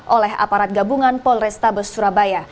oleh aparat gabungan polrestabes surabaya